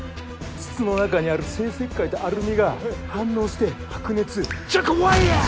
筒の中にある生石灰とアルミが反応して白熱着火ファイヤー！